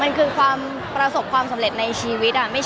มันเป็นเรื่องน่ารักที่เวลาเจอกันเราต้องแซวอะไรอย่างเงี้ย